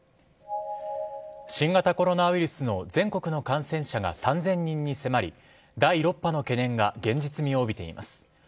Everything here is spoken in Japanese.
新型コロナウイルスの全国の感染者が３０００人に迫り第６波の懸念が現実味を帯びています。